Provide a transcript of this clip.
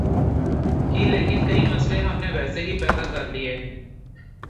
ہی لیکن کئی مسئلے ہم نے ویسے ہی پیدا کر لئے ہیں۔